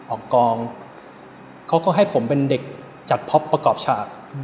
ออกกองเขาก็ให้ผมเป็นเด็กจัดท็อปประกอบฉาก